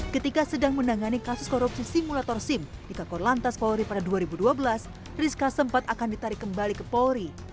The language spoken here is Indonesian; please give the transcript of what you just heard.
ketika sedang menangani kasus korupsi simulator sim di kakor lantas polri pada dua ribu dua belas rizka sempat akan ditarik kembali ke polri